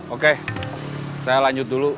oke saya lanjut dulu